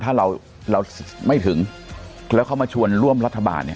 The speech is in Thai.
ถ้าเราเราไม่ถึงแล้วเขามาชวนร่วมรัฐบาลเนี่ย